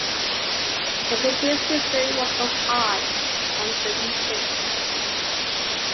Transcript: It contains historic work of art from the region.